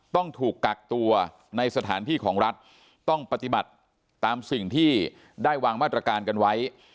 ต้องถูกกักตัวในสถานที่ของรัฐต้องปฏิบัติตามสิ่งที่ได้วางมาตรการกันไว้